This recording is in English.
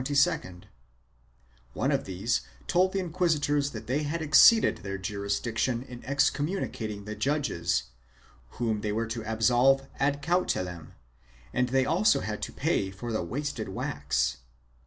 One 364 SUPEREMINENCE [BOOK II of these told the inquisitors that they had exceeded their jurisdiction in excommunicating the judges, whom they were to absolve ad cautelam and they also had to pay for the wasted wax.